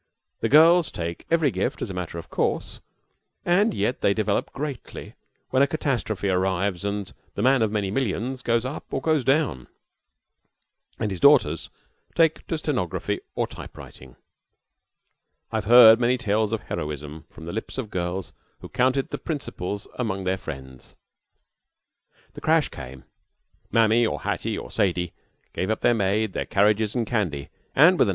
The girls take every gift as a matter of course, and yet they develop greatly when a catastrophe arrives and the man of many millions goes up or goes down, and his daughters take to stenography or typewriting. I have heard many tales of heroism from the lips of girls who counted the principals among their friends. The crash came, Mamie, or Hattie, or Sadie, gave up their maid, their carriages and candy, and with a No.